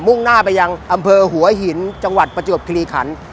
่งหน้าไปยังอำเภอหัวหินจังหวัดประจวบคลีขัน